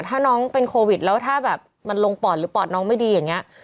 ถ้าน้องเป็นโควิดแล้วถ้าแบบมันลงปอดหรือปอดน้องไม่ดีอย่างนี้